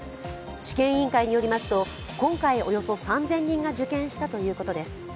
試験委員会によりますと今回およそ３０００人が受験したということです。